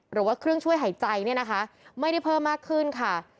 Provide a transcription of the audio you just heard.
หรือว่าเครื่องช่วยหายใจไม่ได้เพิ่มมากขึ้นค่ะ